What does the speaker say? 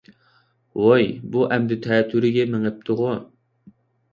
ۋوي بۇ ئەمدى تەتۈرىگە مېڭىپتىغۇ؟